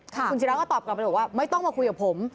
คุณศิราก็ตอบกลับไปบอกว่าไม่ต้องมาคุยกับผม